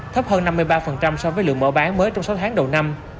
thấp hơn năm mươi ba so với lượng mở bán mới trong sáu tháng đầu năm